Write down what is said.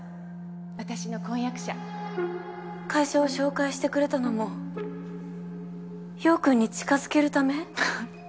私の婚約者会社を紹介してくれたのも陽君に近づけるため？